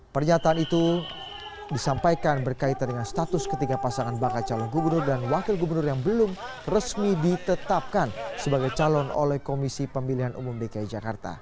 pernyataan itu disampaikan berkaitan dengan status ketiga pasangan bakal calon gubernur dan wakil gubernur yang belum resmi ditetapkan sebagai calon oleh komisi pemilihan umum dki jakarta